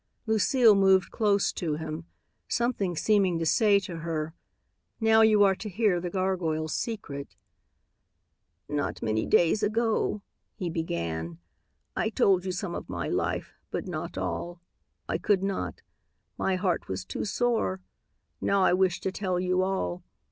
Lucille moved close to him, something seeming to say to her, "Now you are to hear the gargoyle's secret." "Not many days ago," he began, "I told you some of my life, but not all. I could not. My heart was too sore. Now I wish to tell you all.